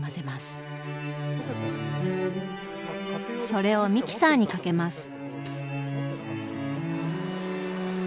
それをミキサーにかけます。